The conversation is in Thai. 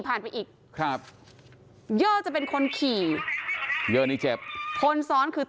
ไปอีกครับเยอร์จะเป็นคนขี่เยอร์นี่เจ็บคนซ้อนคือ